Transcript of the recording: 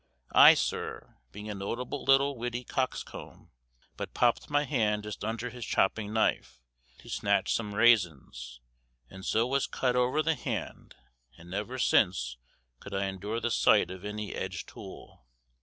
I, sir, being a notable little witty coxcomb, but popp'd my hand just under his chopping knife, to snatch some raisins, and so was cut o'er the hand; and never since could I endure the sight of any edge tool."